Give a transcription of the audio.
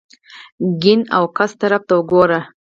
ګېڼ او ګس طرف ته ګوره !